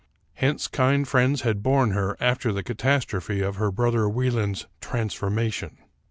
Hence kind friends had borne her after the catastrophe of her brother Wie land's "transformation."